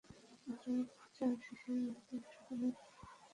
অস্ত্রোপচার শেষে রাতে হাসপাতালে থাকতে হলেও, পরদিন বাড়ি ফিরে যান তিনি।